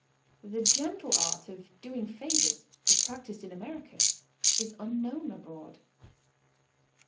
The gentle art of doing favors, as practiced in America, is unknown abro«ad.